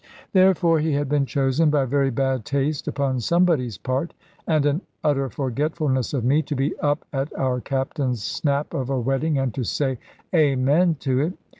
Therefore he had been chosen, by very bad taste upon somebody's part, and an utter forgetfulness of me, to be up at our Captain's snap of a wedding, and to say "Amen" to it.